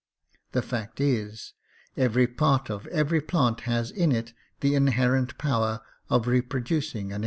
The fact is, every part of every plant has in it the inherent power of reproducing an entire vol.